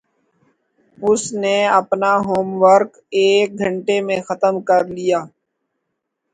اس نے اپنا homework ایک گھنٹے میں ختم کر لیا